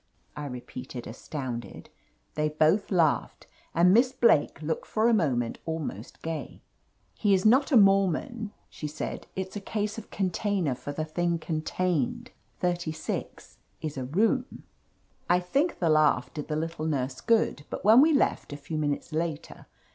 I repeated, astounded. They both laughed, and Miss Blake looked for a moment almost gay. "He is not a Mormon," she said. "It's a case of 'container for the thing contained.' Thirty six is a room." 55 THE AMAZING ADVENTURES I think the laugh did the little nurse good, but when we left, a few minutes later.